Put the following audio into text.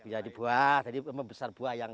jadi buah jadi membesar buah yang